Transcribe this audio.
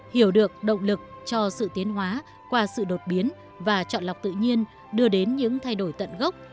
hiểu được động lực cho sự tiến hóa qua sự đột biến và chọn lọc tự nhiên đưa đến những thay đổi tận gốc